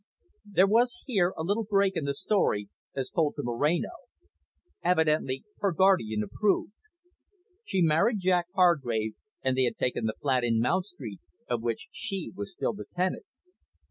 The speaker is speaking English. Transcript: There was here a little break in the story, as told to Moreno. Evidently her guardian approved. She married Jack Hargrave, and they had taken the flat in Mount Street, of which she was still the tenant.